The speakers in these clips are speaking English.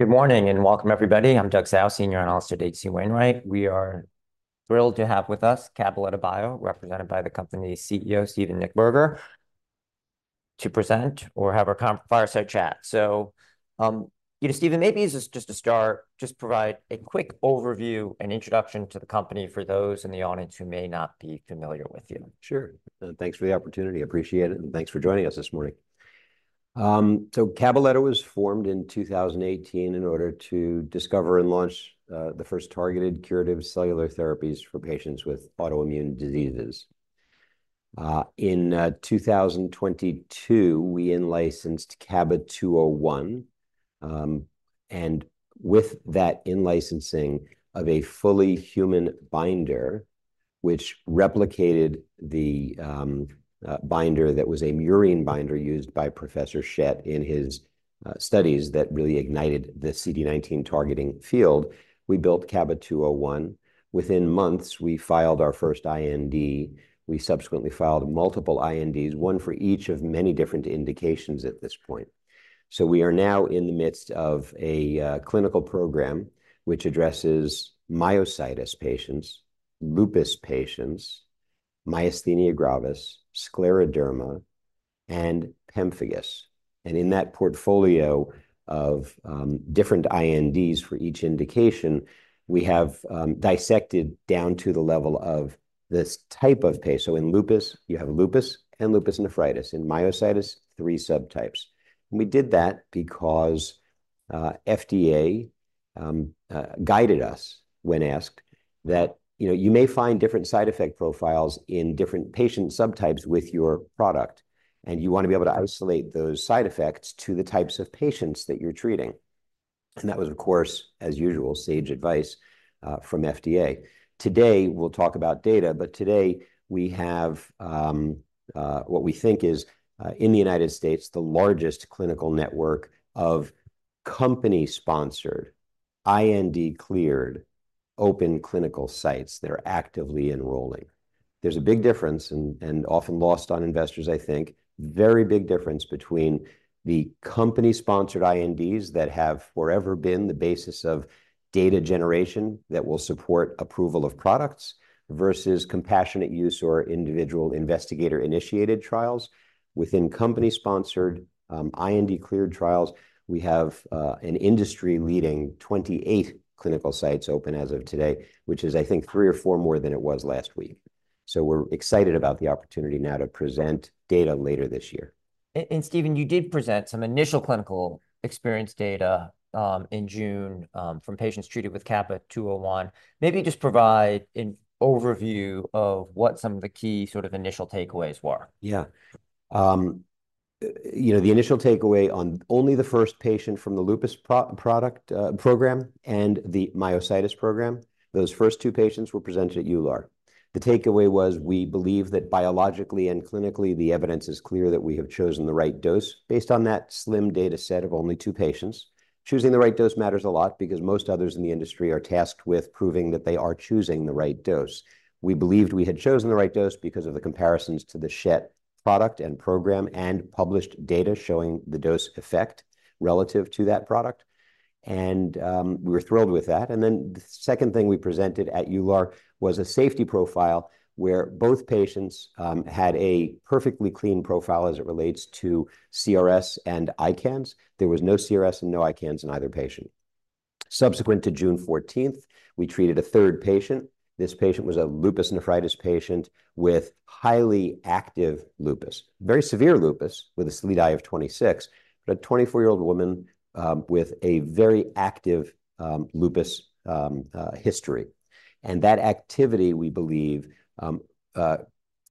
Good morning, and welcome, everybody. I'm Doug Tsao, senior analyst at H.C. Wainwright. We are thrilled to have with us Cabaletta Bio, represented by the company's CEO, Steven Nichtberger, to present or have our conduct fireside chat. So, you know, Steven, maybe as just a start, just provide a quick overview and introduction to the company for those in the audience who may not be familiar with you. Sure, and thanks for the opportunity. Appreciate it, and thanks for joining us this morning. Cabaletta was formed in 2018 in order to discover and launch the first targeted curative cellular therapies for patients with autoimmune diseases. In 2022, we in-licensed CABA-201, and with that in-licensing of a fully human binder, which replicated the binder that was a murine binder used by Professor Schett in his studies that really ignited the CD19 targeting field, we built CABA-201. Within months, we filed our first IND. We subsequently filed multiple INDs, one for each of many different indications at this point. We are now in the midst of a clinical program which addresses myositis patients, lupus patients, myasthenia gravis, scleroderma, and pemphigus. And in that portfolio of different INDs for each indication, we have dissected down to the level of this type of patient. So in lupus, you have lupus and lupus nephritis. In myositis, three subtypes. And we did that because FDA guided us when asked, that you know, you may find different side effect profiles in different patient subtypes with your product, and you want to be able to isolate those side effects to the types of patients that you're treating. And that was, of course, as usual, sage advice from FDA. Today, we'll talk about data, but today we have what we think is in the United States, the largest clinical network of company-sponsored, IND-cleared, open clinical sites that are actively enrolling. There's a big difference, often lost on investors, I think, very big difference between the company-sponsored INDs that have forever been the basis of data generation that will support approval of products versus compassionate use or individual investigator-initiated trials. Within company-sponsored, IND-cleared trials, we have an industry-leading 28 clinical sites open as of today, which is, I think, three or four more than it was last week. So we're excited about the opportunity now to present data later this year. Steven, you did present some initial clinical experience data in June from patients treated with CABA-201. Maybe just provide an overview of what some of the key sort of initial takeaways were. Yeah. You know, the initial takeaway on only the first patient from the lupus product program and the myositis program, those first two patients were presented at EULAR. The takeaway was we believe that biologically and clinically, the evidence is clear that we have chosen the right dose based on that slim data set of only two patients. Choosing the right dose matters a lot because most others in the industry are tasked with proving that they are choosing the right dose. We believed we had chosen the right dose because of the comparisons to the Schett product and program and published data showing the dose effect relative to that product, and we were thrilled with that. And then the second thing we presented at EULAR was a safety profile where both patients had a perfectly clean profile as it relates to CRS and ICANS. There was no CRS and no ICANS in either patient. Subsequent to June fourteenth, we treated a third patient. This patient was a lupus nephritis patient with highly active lupus, very severe lupus, with a SLEDAI of 26, but a 24-year-old woman with a very active lupus history. And that activity, we believe,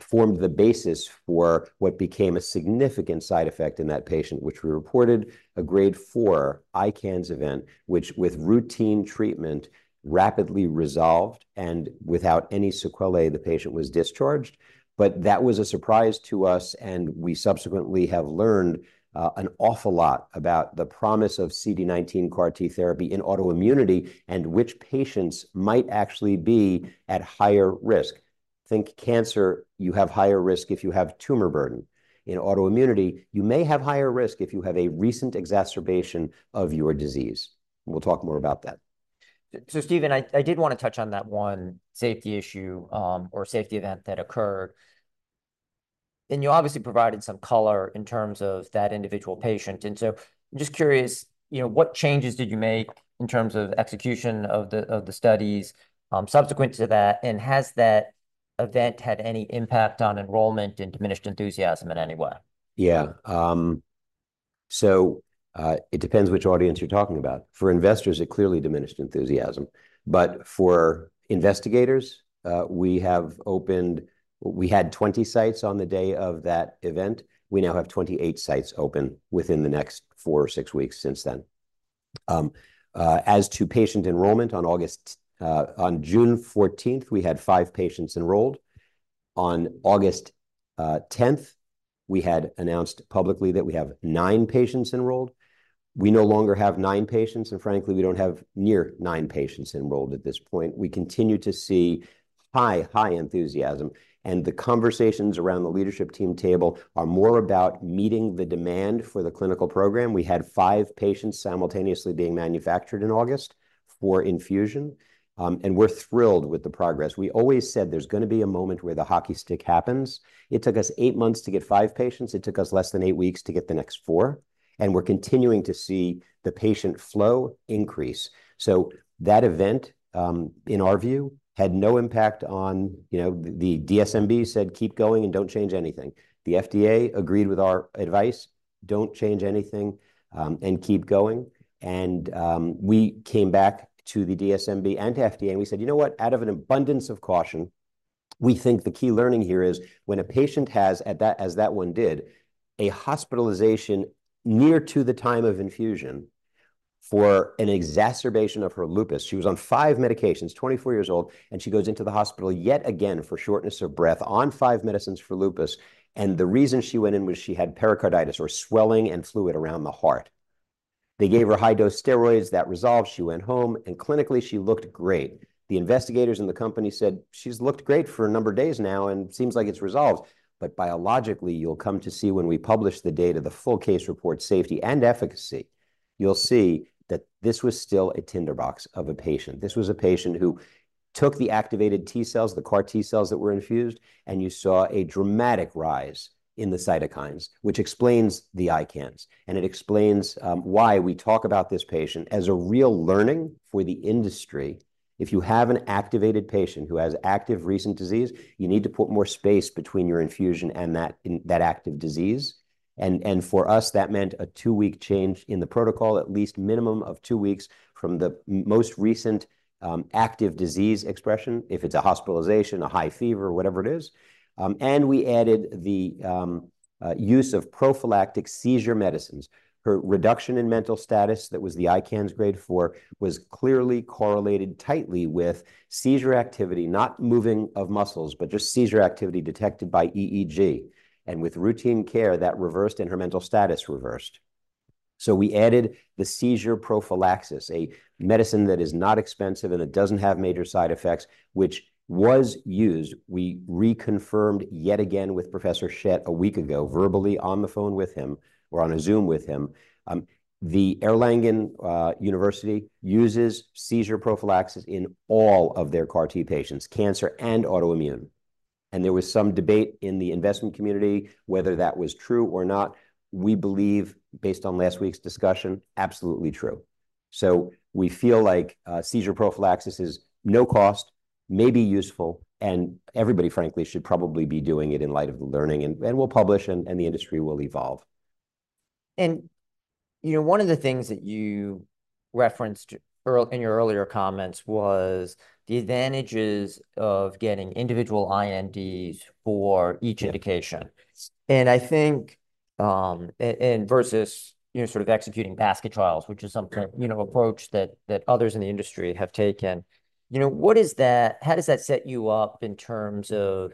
formed the basis for what became a significant side effect in that patient, which we reported a grade four ICANS event, which with routine treatment, rapidly resolved, and without any sequelae, the patient was discharged. But that was a surprise to us, and we subsequently have learned an awful lot about the promise of CD19 CAR T therapy in autoimmunity and which patients might actually be at higher risk. Think cancer, you have higher risk if you have tumor burden. In autoimmunity, you may have higher risk if you have a recent exacerbation of your disease. We'll talk more about that. So Steven, I, I did want to touch on that one safety issue, or safety event that occurred, and you obviously provided some color in terms of that individual patient. And so I'm just curious, you know, what changes did you make in terms of execution of the studies subsequent to that? And has that event had any impact on enrollment and diminished enthusiasm in any way? Yeah, so it depends which audience you're talking about. For investors, it clearly diminished enthusiasm, but for investigators, we have opened. We had 20 sites on the day of that event. We now have 28 sites open within the next four or six weeks since then. As to patient enrollment, on June fourteenth, we had five patients enrolled. On August tenth, we had announced publicly that we have nine patients enrolled. We no longer have nine patients, and frankly, we don't have near nine patients enrolled at this point. We continue to see high, high enthusiasm, and the conversations around the leadership team table are more about meeting the demand for the clinical program. We had five patients simultaneously being manufactured in August for infusion, and we're thrilled with the progress. We always said there's gonna be a moment where the hockey stick happens. It took us eight months to get five patients. It took us less than eight weeks to get the next four, and we're continuing to see the patient flow increase. So that event, in our view, had no impact on, you know. The DSMB said, "Keep going and don't change anything." The FDA agreed with our advice: "Don't change anything, and keep going," and we came back to the DSMB and to FDA, and we said, "You know what? Out of an abundance of caution, we think the key learning here is when a patient has, at that, as that one did, a hospitalization near to the time of infusion for an exacerbation of her lupus. She was on five medications, twenty-four years old, and she goes into the hospital yet again for shortness of breath, on five medicines for lupus, and the reason she went in was she had pericarditis, or swelling and fluid around the heart. They gave her high-dose steroids. That resolved. She went home, and clinically, she looked great. The investigators in the company said, "She's looked great for a number of days now, and seems like it's resolved." But biologically, you'll come to see when we publish the data, the full case report, safety and efficacy, you'll see that this was still a tinderbox of a patient. This was a patient who took the activated T cells, the CAR T cells that were infused, and you saw a dramatic rise in the cytokines, which explains the ICANS, and it explains why we talk about this patient as a real learning for the industry. If you have an activated patient who has active recent disease, you need to put more space between your infusion and that, in that active disease, and for us, that meant a two-week change in the protocol, at least minimum of two weeks from the most recent active disease expression, if it's a hospitalization, a high fever, whatever it is, and we added the use of prophylactic seizure medicines. Her reduction in mental status, that was the ICANS grade four, was clearly correlated tightly with seizure activity, not moving of muscles, but just seizure activity detected by EEG, and with routine care, that reversed, and her mental status reversed. So we added the seizure prophylaxis, a medicine that is not expensive, and it doesn't have major side effects, which was used. We reconfirmed yet again with Professor Schett a week ago, verbally on the phone with him, or on a Zoom with him. The Erlangen University uses seizure prophylaxis in all of their CAR T patients, cancer and autoimmune, and there was some debate in the investment community whether that was true or not. We believe, based on last week's discussion, absolutely true. We feel like seizure prophylaxis is no cost, may be useful, and everybody, frankly, should probably be doing it in light of the learning, and we'll publish, and the industry will evolve. And, you know, one of the things that you referenced earlier in your earlier comments was the advantages of getting individual INDs for each indication. And I think, and versus, you know, sort of executing basket trials, which is something- Yeah... you know, approach that others in the industry have taken. You know, what does that, how does that set you up in terms of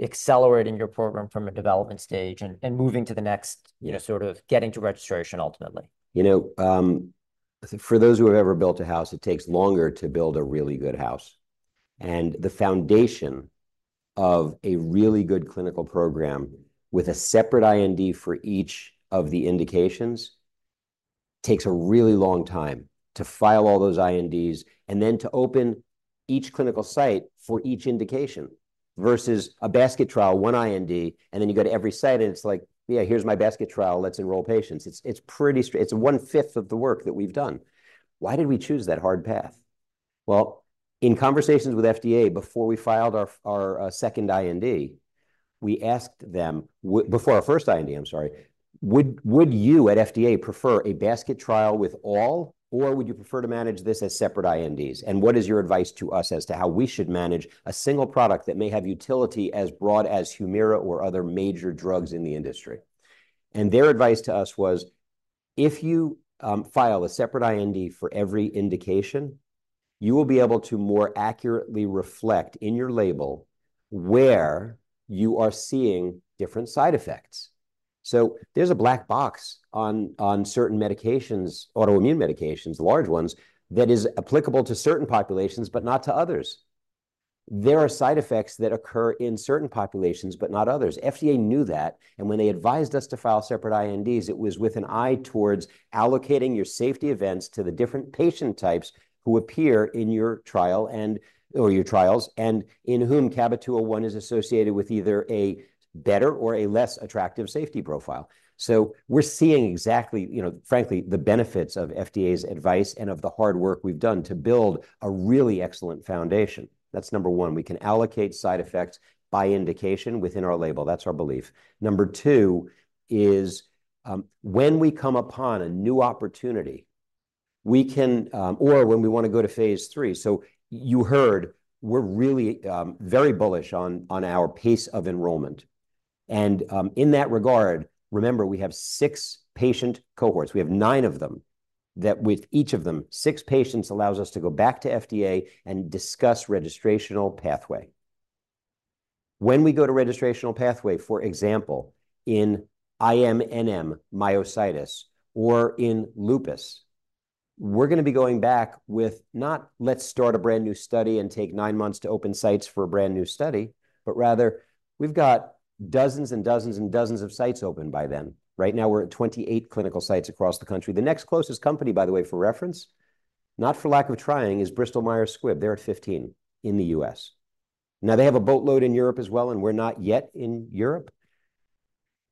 accelerating your program from a development stage and moving to the next, you know, sort of getting to registration ultimately? You know, for those who have ever built a house, it takes longer to build a really good house, and the foundation of a really good clinical program with a separate IND for each of the indications takes a really long time to file all those INDs and then to open each clinical site for each indication, versus a basket trial, one IND, and then you go to every site, and it's like: "Yeah, here's my basket trial. Let's enroll patients." It's one-fifth of the work that we've done. Why did we choose that hard path, well, in conversations with FDA, before we filed our second IND, before our first IND, I'm sorry, we asked them, "Would you at FDA prefer a basket trial with all, or would you prefer to manage this as separate INDs? What is your advice to us as to how we should manage a single product that may have utility as broad as Humira or other major drugs in the industry? Their advice to us was, "If you file a separate IND for every indication, you will be able to more accurately reflect in your label where you are seeing different side effects." There's a black box on certain medications, autoimmune medications, large ones, that is applicable to certain populations, but not to others. There are side effects that occur in certain populations, but not others. FDA knew that, and when they advised us to file separate INDs, it was with an eye towards allocating your safety events to the different patient types who appear in your trial and, or your trials, and in whom CABA-201 is associated with either a better or a less attractive safety profile. So we're seeing exactly, you know, frankly, the benefits of FDA's advice and of the hard work we've done to build a really excellent foundation. That's number one. We can allocate side effects by indication within our label. That's our belief. Number two is, when we come upon a new opportunity, we can, or when we want to go to phase III. So you heard we're really, very bullish on our pace of enrollment, and, in that regard, remember, we have six patient cohorts. We have nine of them, that with each of them, six patients allows us to go back to FDA and discuss registrational pathway. When we go to registrational pathway, for example, in IMNM myositis or in lupus, we're going to be going back with not, "Let's start a brand-new study and take nine months to open sites for a brand-new study," but rather, we've got dozens and dozens and dozens of sites open by then. Right now, we're at 28 clinical sites across the country. The next closest company, by the way, for reference, not for lack of trying, is Bristol Myers Squibb. They're at 15 in the U.S. Now, they have a boatload in Europe as well, and we're not yet in Europe.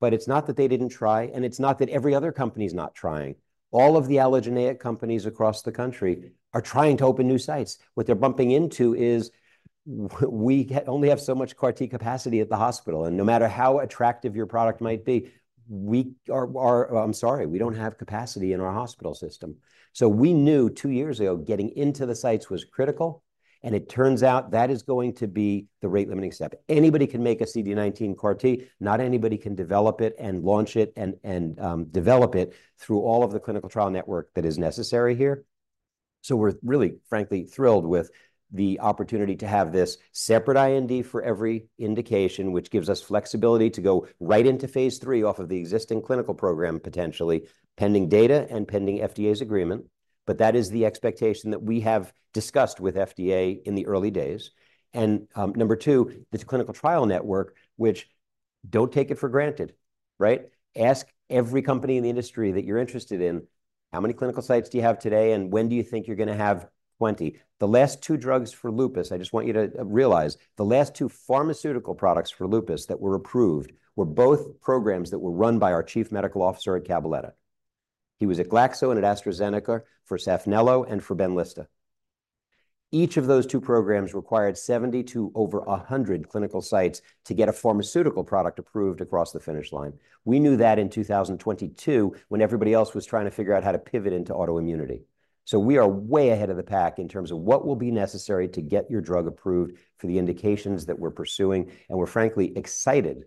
But it's not that they didn't try, and it's not that every other company's not trying. All of the allogeneic companies across the country are trying to open new sites. What they're bumping into is we can only have so much CAR T capacity at the hospital, and no matter how attractive your product might be, we are. I'm sorry, we don't have capacity in our hospital system. So we knew two years ago getting into the sites was critical, and it turns out that is going to be the rate-limiting step. Anybody can make a CD19 CAR T. Not anybody can develop it and launch it and develop it through all of the clinical trial network that is necessary here. So we're really, frankly, thrilled with the opportunity to have this separate IND for every indication, which gives us flexibility to go right into phase III off of the existing clinical program, potentially, pending data and pending FDA's agreement. But that is the expectation that we have discussed with FDA in the early days. And, number two, this clinical trial network, which don't take it for granted, right? Ask every company in the industry that you're interested in, "How many clinical sites do you have today, and when do you think you're going to have twenty?" The last two drugs for lupus, I just want you to realize, the last two pharmaceutical products for lupus that were approved were both programs that were run by our chief medical officer at Cabaletta. He was at Glaxo and at AstraZeneca for Saphnelo and for Benlysta. Each of those two programs required seventy to over a hundred clinical sites to get a pharmaceutical product approved across the finish line. We knew that in 2022, when everybody else was trying to figure out how to pivot into autoimmunity. So we are way ahead of the pack in terms of what will be necessary to get your drug approved for the indications that we're pursuing, and we're frankly excited.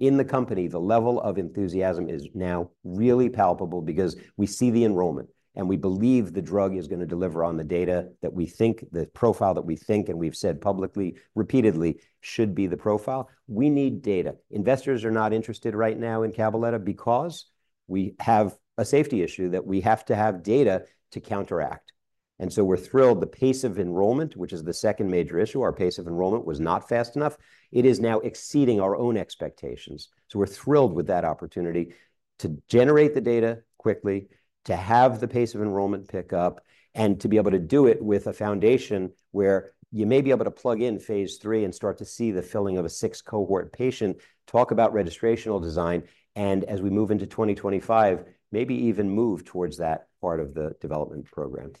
In the company, the level of enthusiasm is now really palpable because we see the enrollment, and we believe the drug is going to deliver on the data that we think, the profile that we think and we've said publicly, repeatedly, should be the profile. We need data. Investors are not interested right now in Cabaletta because we have a safety issue that we have to have data to counteract, and so we're thrilled. The pace of enrollment, which is the second major issue, our pace of enrollment was not fast enough. It is now exceeding our own expectations. We're thrilled with that opportunity to generate the data quickly, to have the pace of enrollment pick up, and to be able to do it with a foundation where you may be able to plug in phase III and start to see the filling of a six-cohort patient. Talk about registrational design, and as we move into 2025, maybe even move towards that part of the development program.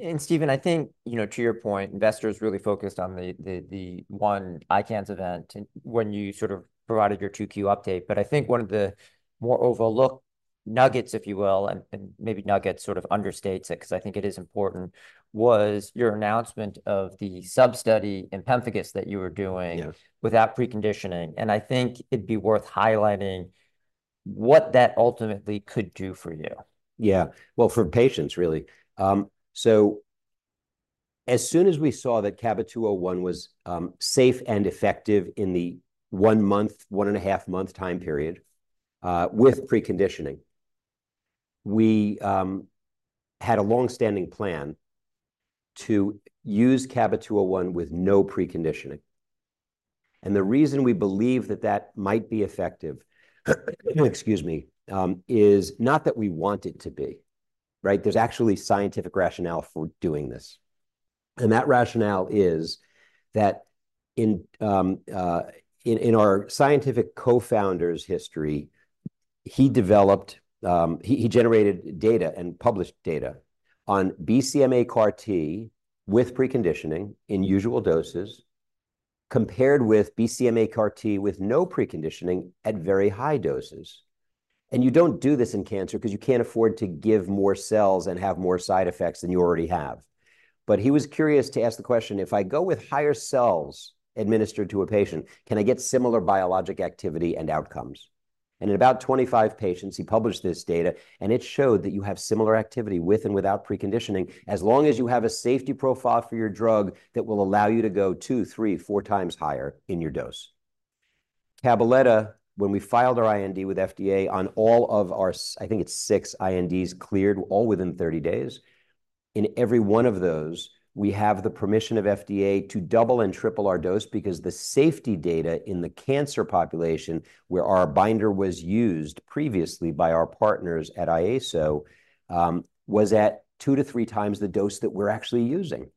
And Steven, I think, you know, to your point, investors really focused on the one ICANS event and when you sort of provided your 2Q update. But I think one of the more overlooked nuggets, if you will, and maybe nuggets sort of understates it, because I think it is important, was your announcement of the sub-study in pemphigus that you were doing- Yes... without preconditioning. And I think it'd be worth highlighting what that ultimately could do for you. Yeah. Well, for patients, really. So as soon as we saw that CABA-201 was safe and effective in the one-month, one-and-a-half-month time period with preconditioning, we had a long-standing plan to use CABA-201 with no preconditioning. And the reason we believe that that might be effective, excuse me, is not that we want it to be, right? There's actually scientific rationale for doing this, and that rationale is that in our scientific co-founder's history, he generated data and published data on BCMA CAR T with preconditioning in usual doses, compared with BCMA CAR T with no preconditioning at very high doses. And you don't do this in cancer, because you can't afford to give more cells and have more side effects than you already have. But he was curious to ask the question: "If I go with higher cells administered to a patient, can I get similar biologic activity and outcomes?" And in about 25 patients, he published this data, and it showed that you have similar activity with and without preconditioning, as long as you have a safety profile for your drug that will allow you to go two, three, four times higher in your dose. Cabaletta, when we filed our IND with FDA on all of our - I think it's six INDs, cleared all within 30 days. In every one of those, we have the permission of FDA to double and triple our dose, because the safety data in the cancer population, where our binder was used previously by our partners at Iaso, was at two to three times the dose that we're actually using.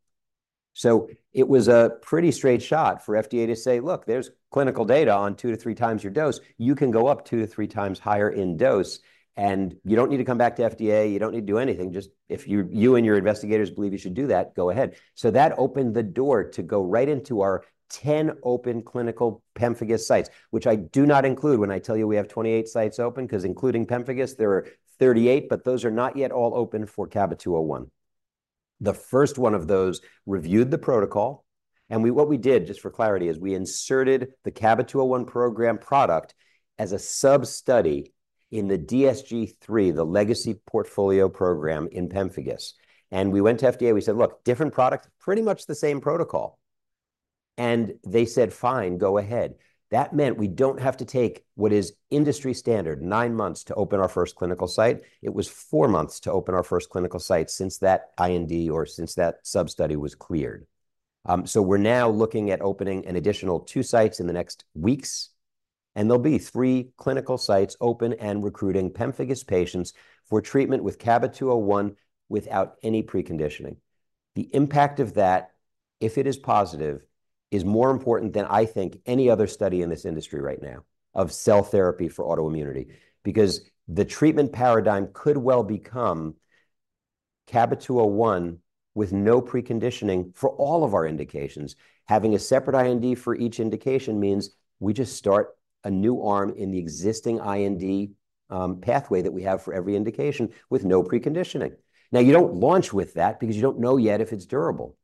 So it was a pretty straight shot for FDA to say, "Look, there's clinical data on two to three times your dose. You can go up two to three times higher in dose, and you don't need to come back to FDA. You don't need to do anything. Just if you and your investigators believe you should do that, go ahead." So that opened the door to go right into our 10 open clinical pemphigus sites, which I do not include when I tell you we have 28 sites open, 'cause including pemphigus, there are 38, but those are not yet all open for CABA-201. The first one of those reviewed the protocol, and what we did, just for clarity, is we inserted the CABA-201 program product as a sub-study in the DSG3, the legacy portfolio program in pemphigus. We went to FDA, we said, "Look, different product, pretty much the same protocol." And they said, "Fine, go ahead." That meant we don't have to take what is industry standard, nine months to open our first clinical site. It was four months to open our first clinical site since that IND or since that sub-study was cleared. So we're now looking at opening an additional two sites in the next weeks, and there'll be three clinical sites open and recruiting pemphigus patients for treatment with CABA-201 without any preconditioning. The impact of that, if it is positive, is more important than I think any other study in this industry right now of cell therapy for autoimmunity, because the treatment paradigm could well become CABA-201 with no preconditioning for all of our indications. Having a separate IND for each indication means we just start a new arm in the existing IND, pathway that we have for every indication, with no preconditioning. Now, you don't launch with that, because you don't know yet if it's durable.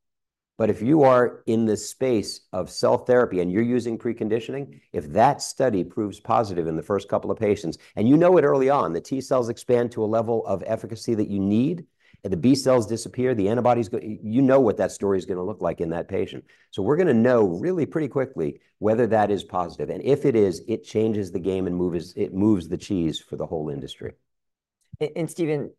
But if you are in the space of cell therapy, and you're using preconditioning, if that study proves positive in the first couple of patients, and you know it early on, the T cells expand to a level of efficacy that you need, and the B cells disappear, the antibodies go... You know what that story's gonna look like in that patient. So we're gonna know really pretty quickly whether that is positive, and if it is, it changes the game and moves, it moves the cheese for the whole industry. Anup and Steven,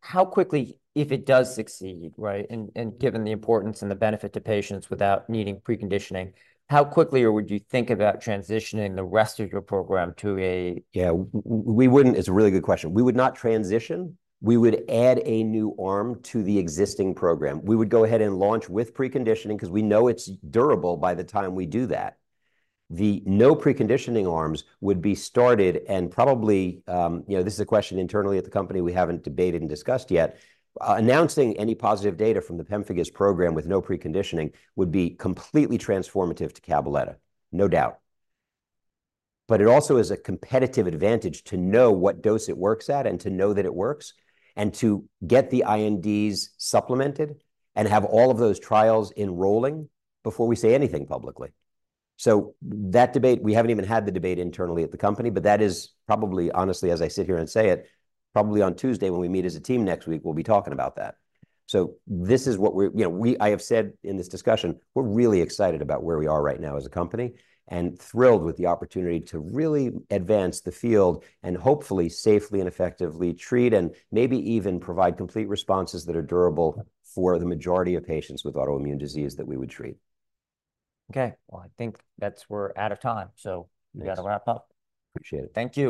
how quickly, if it does succeed, right, and, and given the importance and the benefit to patients without needing preconditioning, how quickly would you think about transitioning the rest of your program to a- Yeah, we wouldn't. It's a really good question. We would not transition. We would add a new arm to the existing program. We would go ahead and launch with preconditioning, 'cause we know it's durable by the time we do that. The no preconditioning arms would be started and probably, you know, this is a question internally at the company we haven't debated and discussed yet. Announcing any positive data from the pemphigus program with no preconditioning would be completely transformative to Cabaletta, no doubt. But it also is a competitive advantage to know what dose it works at and to know that it works, and to get the INDs supplemented and have all of those trials enrolling before we say anything publicly. So that debate, we haven't even had the debate internally at the company, but that is probably, honestly, as I sit here and say it, probably on Tuesday, when we meet as a team next week, we'll be talking about that. This is what, you know, I have said in this discussion. We're really excited about where we are right now as a company, and thrilled with the opportunity to really advance the field and hopefully safely and effectively treat and maybe even provide complete responses that are durable for the majority of patients with autoimmune disease that we would treat. Okay, well, I think we're out of time, so- Yes... we've got to wrap up. Appreciate it. Thank you.